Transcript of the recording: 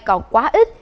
còn quá ít